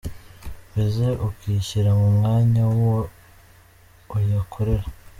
mbese ukishyira mu mwanya wuwo uyakorera.